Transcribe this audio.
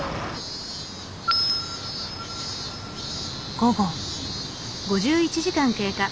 午後。